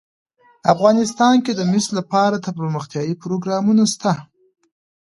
افغانستان کې د مس لپاره دپرمختیا پروګرامونه شته.